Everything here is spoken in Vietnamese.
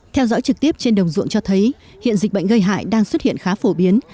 theo dõi trực tiếp trên đồng ruộng cho thấy hiện dịch bệnh gây hại đang xuất hiện khá phổ biến